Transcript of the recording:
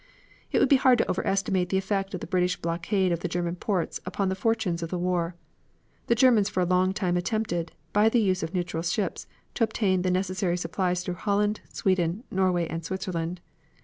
It would be hard to overestimate the effect of the British blockade of the German ports upon the fortunes of the war. The Germans for a long time attempted, by the use of neutral ships, to obtain the necessary supplies through Holland, Sweden, Norway, and Switzerland.